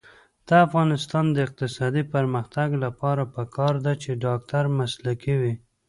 د افغانستان د اقتصادي پرمختګ لپاره پکار ده چې ډاکټر مسلکي وي.